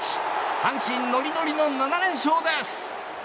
阪神ノリノリの７連勝です。